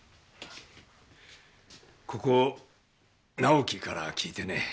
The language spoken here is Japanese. ここ直季から聞いてね。